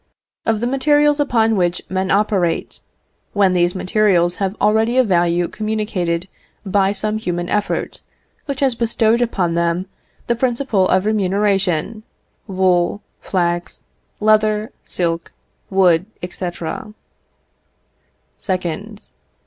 Of the materials upon which men operate, when these materials have already a value communicated by some human effort, which has bestowed upon them the principle of remuneration wool, flax, leather, silk, wood, &c. 2nd.